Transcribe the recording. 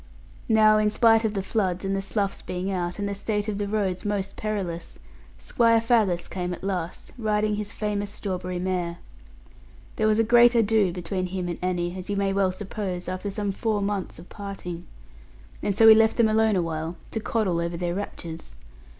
Now in spite of the floods, and the sloughs being out, and the state of the roads most perilous, Squire Faggus came at last, riding his famous strawberry mare. There was a great ado between him and Annie, as you may well suppose, after some four months of parting. And so we left them alone awhile, to coddle over their raptures.